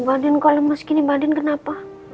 mba andin kok lemes gini mba andin kenapa